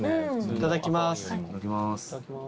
いただきます。